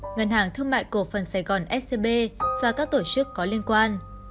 ngân hàng thương mại cổ phần sài gòn scb và các tổ chức có liên quan